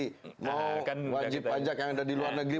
mau wajib pajak yang ada di luar negeri